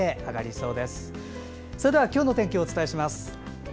それでは今日の天気をお伝えします。